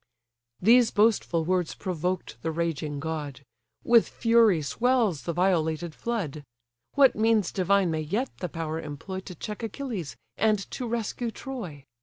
These boastful words provoked the raging god; With fury swells the violated flood. What means divine may yet the power employ To check Achilles, and to rescue Troy?